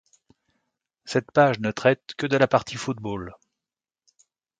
Cette page ne traite que de la partie football.